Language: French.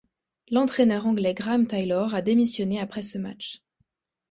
L'entraîneur anglais Graham Taylor a démissionné après ce match.